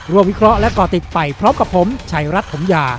วิเคราะห์และก่อติดไปพร้อมกับผมชัยรัฐถมยา